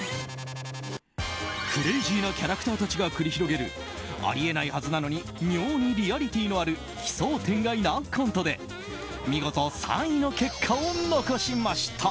クレイジーなキャラクターたちが繰り広げるあり得ないはずなのに妙にリアリティーのある奇想天外なコントで見事３位の結果を残しました。